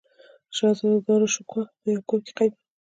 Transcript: شهزاده داراشکوه په یوه کور کې قید و.